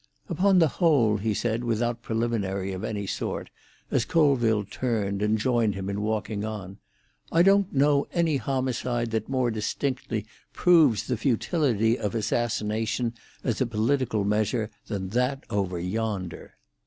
"Upon the whole," he said, without preliminary of any sort, as Colville turned and joined him in walking on, "I don't know any homicide that more distinctly proves the futility of assassination as a political measure than that over yonder."